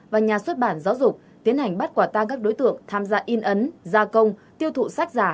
và nhà xuất bản giáo dục tiến hành bắt quả tang các đối tượng tham gia in ấn gia công tiêu thụ sách giả